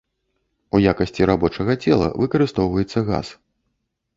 У якасці рабочага цела выкарыстоўваецца газ.